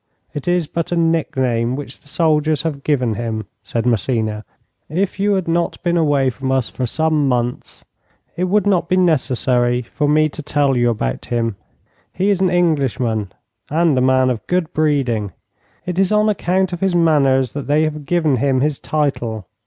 'It is but the nickname which the soldiers have given him,' said Massena. 'If you had not been away from us for some months, it would not be necessary for me to tell you about him. He is an Englishman, and a man of good breeding. It is on account of his manners that they have given him his title.